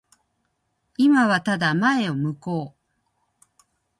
今はただ前を向こう。